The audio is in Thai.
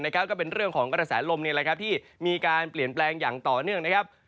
ก็เป็นเรื่องของกระแสลมนี่แหละครับที่มีการเปลี่ยนแปลงอย่างต่อเนื่องนะครับ